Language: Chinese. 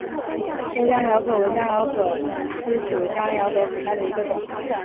蓑江珧蛤为江珧蛤科曲江珧蛤属下的一个种。